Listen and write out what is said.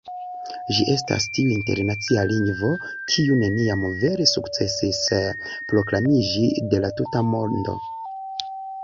Ĝi estas tiu internacia lingvo, kiu neniam vere sukcesis proklamiĝi de la tuta mondo.